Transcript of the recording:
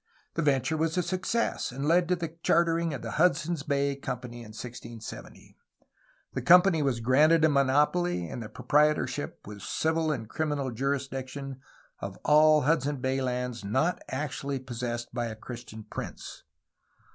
The venture was a success, and led to the char tering of the Hudson's Bay Company in 1670. The company was granted a monopoly and the proprietorship, with civil and criminal jurisdiction, of all Hudson Bay lands not actu ally possessed by a Christian prince.